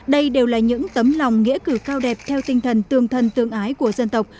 đây đều là những tấm lòng nghĩa cử cao đẹp theo tinh thần tương thân tương ái của dân tộc